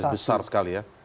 polarisasi besar sekali ya